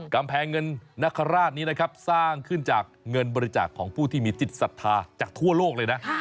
กำแพงเงินนคราชนี้นะครับสร้างขึ้นจากเงินบริจาคของผู้ที่มีจิตศรัทธาจากทั่วโลกเลยนะ